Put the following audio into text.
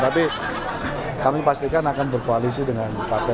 tapi kami pastikan akan berkoalisi dengan partai